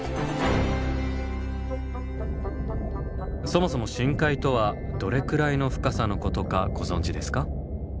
そもそも深海とはどれくらいの深さのことかご存じですか？